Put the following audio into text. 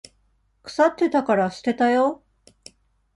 腐ってたから捨てたよ。